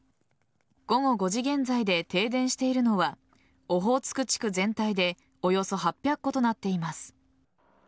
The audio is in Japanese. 午後５時現在で停電しているのはオホーツク地区全体でおよそ８００戸となっています。